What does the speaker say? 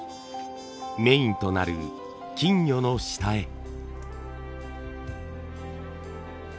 メインとなる金魚の下絵。